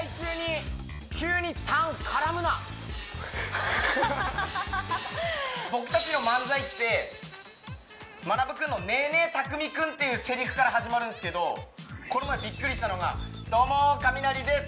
ハハハハ僕達の漫才ってまなぶ君の「ねえねえたくみ君」っていうせりふから始まるんですけどこの前びっくりしたのが「どうもカミナリです」